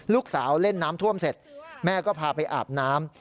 ลูกสาวเล่นน้ำท่วมเสร็จแม่ก็พาไปอาบน้ำ